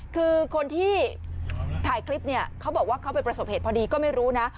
คือคนที่ถ่ายคลิปเนี่ยเขาบอกว่าเขาไปประสบเหตุพอดีก็ไม่รู้นะ